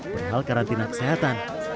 berhal karantina kesehatan